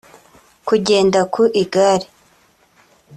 kugenda ku igare